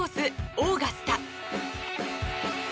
オーガスタ。